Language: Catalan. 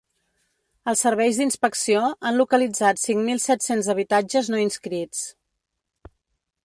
Els serveis d’inspecció han localitzat cinc mil set-cents habitatges no inscrits.